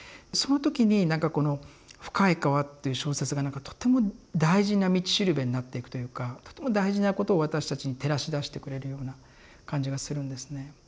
その時になんかこの「深い河」っていう小説がとても大事な道しるべになっていくというかとても大事なことを私たちに照らしだしてくれるような感じがするんですね。